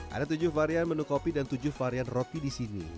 ada tujuh varian menu kopi dan tujuh varian roti di sini